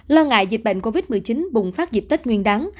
lần ngại dịch bệnh covid một mươi chín bùng phát dịp tết nguyên đắng